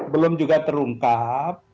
belum juga terungkap